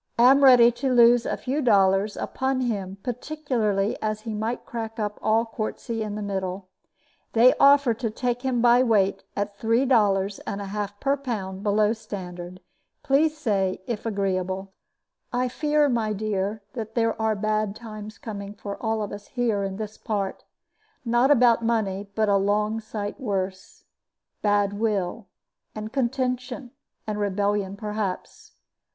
Am ready to lose a few dollars upon him, particularly as he might crack up all quartzy in the middle. They offer to take him by weight at three dollars and a half per pound below standard. Please say if agreeable. "I fear, my dear, that there are bad times coming for all of us here in this part. Not about money, but a long sight worse; bad will, and contention, and rebellion, perhaps.